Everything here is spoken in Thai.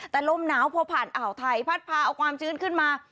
แต่ลมหนาวพอผ่านอ่าวไทยพัดพาเอาความชื้นขึ้นมา